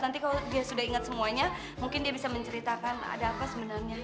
nanti kalau dia sudah ingat semuanya mungkin dia bisa menceritakan ada apa sebenarnya